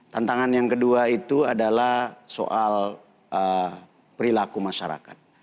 tantangan yang kedua itu adalah soal perilaku masyarakat